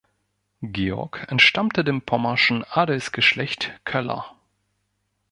Georg entstammte dem pommerschen Adelsgeschlecht Köller.